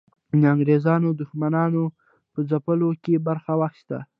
د انګریزانو دښمنانو په ځپلو کې برخه واخیسته.